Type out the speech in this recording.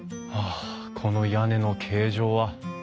あこの屋根の形状は。